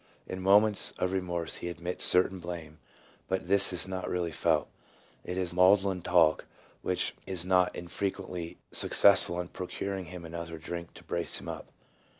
In moments of remorse he admits certain blame, but this is not really felt; it is maudlin talk which is not in frequently successful in procuring him another drink to brace him up.